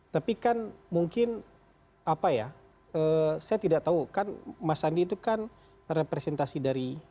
tapi kan mungkin apa ya saya tidak tahu kan mas sandi itu kan representasi dari